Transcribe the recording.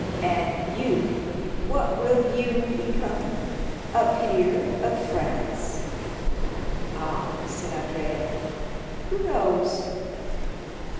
And you—what will you become? A peer of France?" "Ah," said Andrea, "who knows?"